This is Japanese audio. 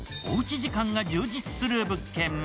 おうち時間が充実する物件。